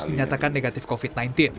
dinyatakan negatif covid sembilan belas